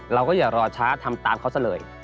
เราก็อย่ารอช้าทำตามเขาซะเลย